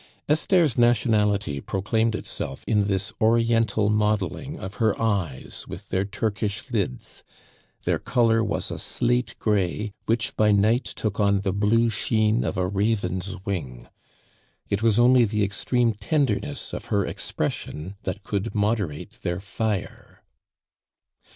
Esther's nationality proclaimed itself in this Oriental modeling of her eyes with their Turkish lids; their color was a slate gray which by night took on the blue sheen of a raven's wing. It was only the extreme tenderness of her expression that could moderate their fire.